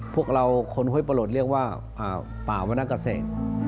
พวกเราคนห้วยประโลธิ์เรียกว่าป่าวรรณกษัตริย์